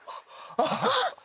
あっ！